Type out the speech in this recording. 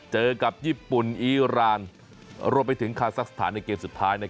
เจอกับญี่ปุ่นอีรานรวมไปถึงคาซักสถานในเกมสุดท้าย